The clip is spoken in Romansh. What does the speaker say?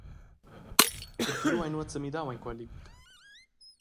Dapi lu ei nuot semidau en quei liug.